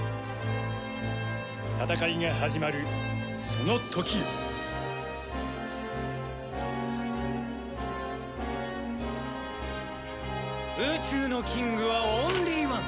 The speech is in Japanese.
戦いが始まるそのときを宇宙のキングはオンリーワン。